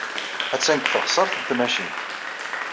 Attan deg teɣsert n tmacint.